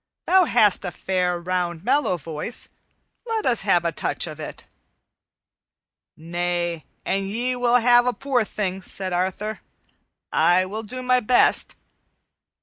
"Thou hast a fair, round, mellow voice; let us have a touch of it." "Nay, an ye will ha' a poor thing," said Arthur, "I will do my best.